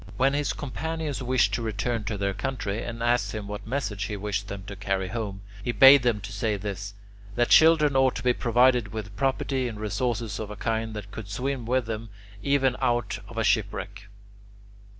When his companions wished to return to their country, and asked him what message he wished them to carry home, he bade them say this: that children ought to be provided with property and resources of a kind that could swim with them even out of a shipwreck.